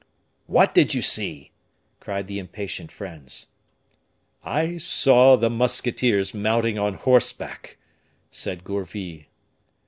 "What did you see?" cried the impatient friends. "I saw the musketeers mounting on horseback," said Gourville.